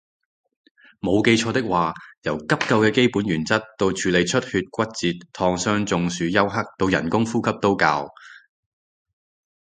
冇記錯嘅話由急救嘅基本原則到處理出血骨折燙傷中暑休克到人工呼吸都教